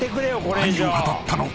何を語ったのか？］